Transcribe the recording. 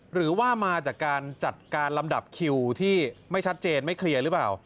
หรือว่ามาจากการจัดการลำดับคิวที่ไม่ชัดเจนไม่เคลียร์หรือเปล่า